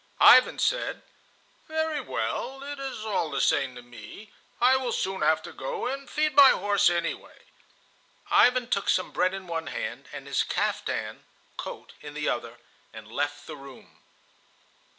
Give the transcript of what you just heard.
Ivan said: "Very well, it is all the same to me. I will soon have to go and feed my horse any way." Ivan took some bread in one hand, and his kaftan (coat) in the other, and left the room.